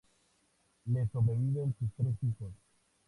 Le sobreviven sus tres hijos.